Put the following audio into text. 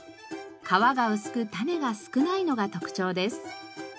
皮が薄く種が少ないのが特徴です。